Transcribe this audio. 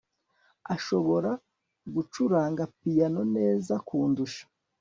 ashobora gucuranga piyano neza kundusha